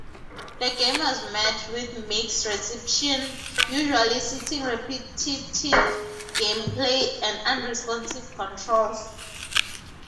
The game was met with mixed reception, usually citing repetitive gameplay and unresponsive controls.